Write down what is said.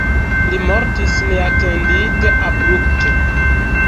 Li mortis neatendite abrupte.